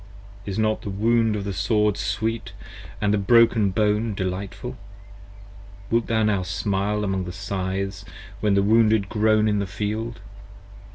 Is not the wound of the sword sweet: & the broken bone delightful? Wilt thou now smile among the scythes when the wounded groan in the field?